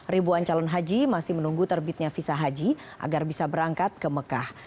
ribuan calon haji masih menunggu terbitnya visa haji agar bisa berangkat ke mekah